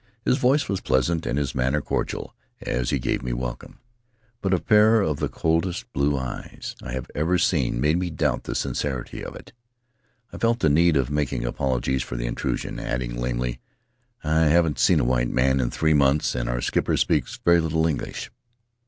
His voice was pleasant and his manner cordial as he gave me welcome, but a pair of the coldest blue eyes I have ever seen made me doubt the sincerity of it. I felt the need of making apologies for the intrusion, adding, lamely, "I haven't seen a white man in three months, and our skipper speaks very little English."